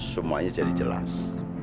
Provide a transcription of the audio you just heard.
semuanya jadi jelas